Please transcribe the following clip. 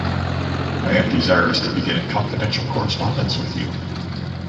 I am desirous to begin a confidential correspondence with you.